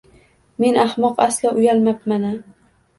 Men axmoq aslo uylamabmana